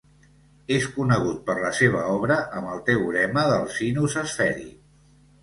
És conegut per la seva obra amb el teorema del sinus esfèric.